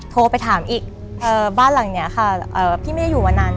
โทรไปถามอีกบ้านหลังนี้ค่ะพี่ไม่ได้อยู่มานาน